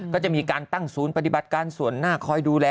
ก็จะมีการตั้งศูนย์ปฏิบัติการส่วนหน้าคอยดูแล